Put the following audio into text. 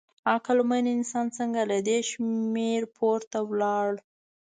عقلمن انسان څنګه له دې شمېر پورته ولاړ؟